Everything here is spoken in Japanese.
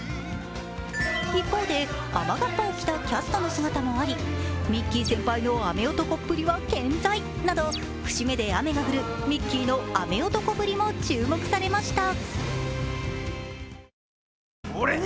一方で雨がっぱを着たキャストの姿もあり、ミッキー先輩の雨男っぷりは健在など、節目で雨が降る、ミッキーの雨男ぶりも注目されました。